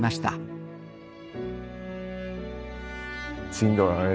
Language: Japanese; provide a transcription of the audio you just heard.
しんどい